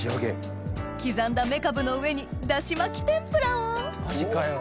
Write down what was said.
刻んだメカブの上に出汁巻き天ぷらをマジかよ。